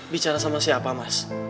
bicara sama siapa mas